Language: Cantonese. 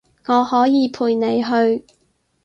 我可以陪你去